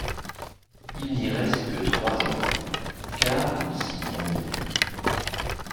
Il n'y reste que trois ans, car il s'y ennuie.